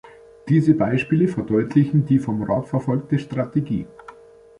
Diese Beispiele verdeutlichen die vom Rat verfolgte Strategie.